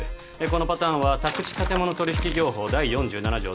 このパターンは宅地建物取引業法第４７条